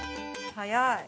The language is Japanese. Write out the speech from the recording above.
◆早い。